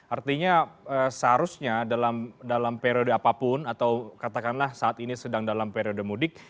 artinya seharusnya dalam periode apapun atau katakanlah saat ini sedang dalam periode mudik